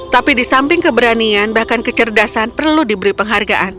tapi di samping keberanian bahkan kecerdasan perlu diberi penghargaan